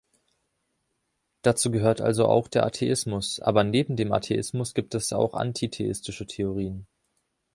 Dazu gehört also auch der Atheismus, aber neben dem Atheismus gibt es auch antitheistische Theorien.